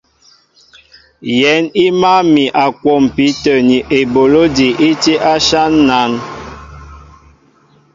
Yɛ̌n i mǎl mi a kwɔmpi tə̂ ni eboló ejí tí áshán nān.